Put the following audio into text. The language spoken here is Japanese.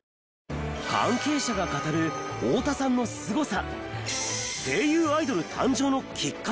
関係者が語る太田さんのスゴさ。